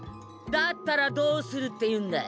だったらどうするっていうんだい！？